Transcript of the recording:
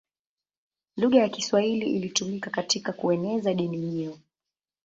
Lugha ya Kiswahili ilitumika katika kueneza dini hiyo.